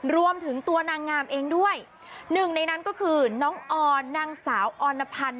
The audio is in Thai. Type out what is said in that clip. รวมถึงตัวนางงามเองด้วยหนึ่งในนั้นก็คือน้องออนนางสาวออนพันธ์